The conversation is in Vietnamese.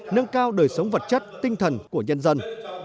nâng cao đời sống vật chất tinh thần của nhân dân